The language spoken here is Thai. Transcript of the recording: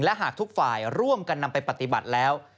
และหากทุกฝ่ายร่วมกันนำไปปฏิบัติแล้ว